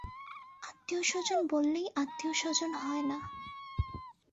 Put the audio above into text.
আত্মীয়স্বজন বললেই আত্মীয়স্বজন হয় না।